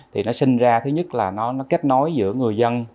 thì nó sinh ra thứ nhất là nó kết nối giữa người dân